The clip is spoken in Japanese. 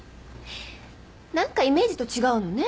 何かイメージと違うのね。